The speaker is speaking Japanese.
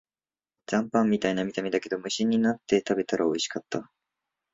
残飯みたいな見た目だけど、無心になって食べたらおいしかった